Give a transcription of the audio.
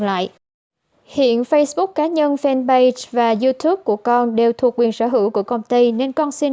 lại hiện facebook cá nhân fanpage và youtube của con đều thuộc quyền sở hữu của công ty nên con xin